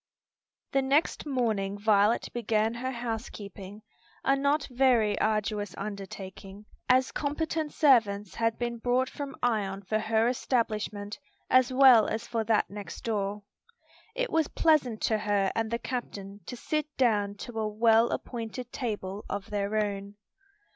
The next morning Violet began her housekeeping; a not very arduous undertaking, as competent servants had been brought from Ion for her establishment as well as for that next door. It was pleasant to her and the captain to sit down to a well appointed table of their own.